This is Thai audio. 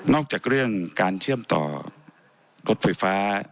จากเรื่องการเชื่อมต่อรถไฟฟ้า